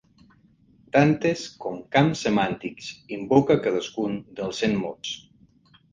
Tantes com camps semàntics invoca cadascun dels cent mots.